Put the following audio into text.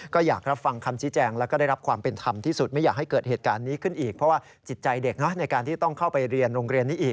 ก็รักเกิบห่วงลูกแล้ว